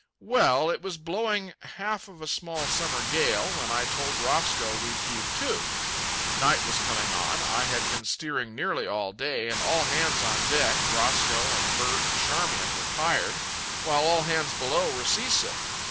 Well, it was blowing half of a small summer gale, when I told Roscoe we'd heave to. Night was coming on. I had been steering nearly all day, and all hands on deck (Roscoe and Bert and Charmian) were tired, while all hands below were seasick.